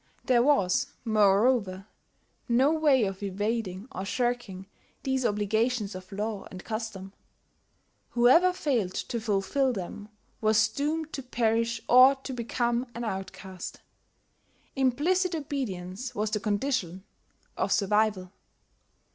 There was, moreover, no way of evading or shirking these obligations of law and custom: whoever failed to fulfil them was doomed to perish or to become an outcast; implicit obedience was the condition of survival.